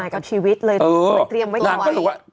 ไม่ประวัติกับชีวิตเลยเตรียมไว้ไว้